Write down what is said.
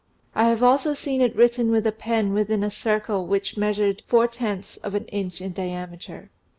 I have also seen it written with a pen within a circle which measured four tenths of an inch in diameter.